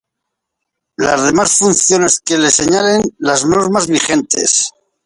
Las demás funciones que le señalen las normas vigentes.